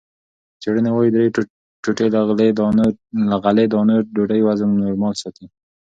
څېړنې وايي، درې ټوټې له غلې- دانو ډوډۍ وزن نورمال ساتي.